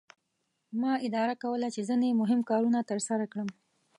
ما اداره کوله چې ځینې مهم کارونه ترسره کړم.